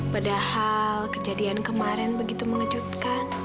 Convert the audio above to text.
padahal kejadian kemarin begitu mengejutkan